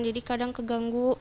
jadi kadang keganggu